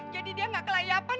jadi dia gak kelayapan